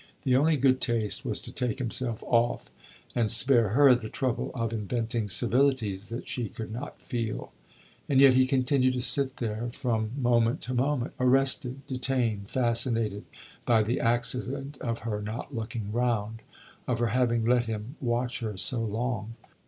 The only good taste was to take himself off, and spare her the trouble of inventing civilities that she could not feel. And yet he continued to sit there from moment to moment, arrested, detained, fascinated, by the accident of her not looking round of her having let him watch her so long.